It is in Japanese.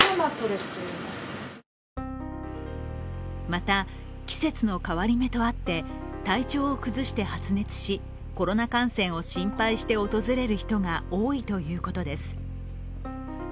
また、季節の変わり目とあって体調を崩して発熱しコロナ感染を心配して訪れる人が多いということです。